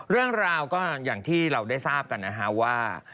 เรื่องราวก็อย่างที่เราได้ทราบกันนะฮะว่า